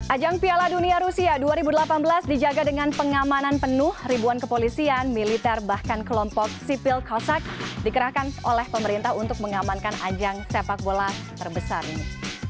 ajang piala dunia rusia dua ribu delapan belas dijaga dengan pengamanan penuh ribuan kepolisian militer bahkan kelompok sipil kosak dikerahkan oleh pemerintah untuk mengamankan ajang sepak bola terbesar ini